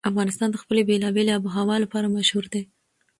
افغانستان د خپلې بېلابېلې آب وهوا لپاره مشهور دی.